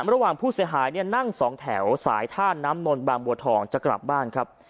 ระหว่างผู้เสียหายเนี่ยนั่งสองแถวสายท่าน้ำนนบางบัวทองจะกลับบ้านครับ